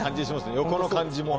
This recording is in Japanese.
横の感じも。